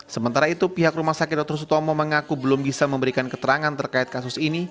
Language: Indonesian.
sementara itu pihak rumah sakit dr sutomo mengaku belum bisa memberikan keterangan terkait kasus ini